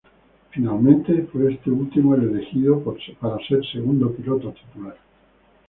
Finalmente fue este último el elegido para ser segundo piloto titular.